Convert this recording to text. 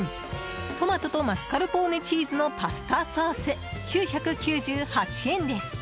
トマトとマスカルポーネチーズのパスタソース、９９８円です。